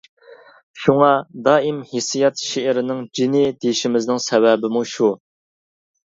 شۇڭا دائىم «ھېسسىيات شېئىرنىڭ جېنى» دېيىشىمىزنىڭ سەۋەبىمۇ شۇ.